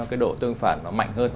cái độ tương phản nó mạnh hơn